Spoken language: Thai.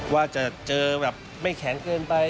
ว่าจะเจอแบบไม่แข็งเกินไป